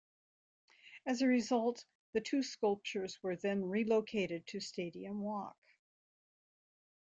As a result, the two sculptures were then relocated to Stadium Walk.